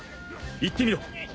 言ってみろ。